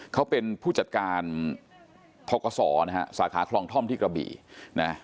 เขาเป็นผู้จัดการทกศนะฮะสาขาคลองท่อมที่กระบี่นะ